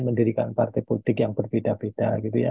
mendirikan partai politik yang berbeda beda